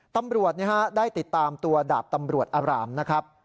ตำรวจได้ติดตามตัวดาบตำรวจอารามนะครับ